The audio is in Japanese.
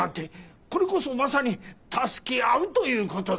これこそまさに助け合うという事だ。